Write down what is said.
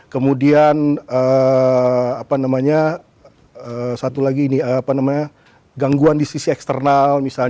kemudian apa namanya satu lagi ini apa namanya gangguan di sisi eksternal misalnya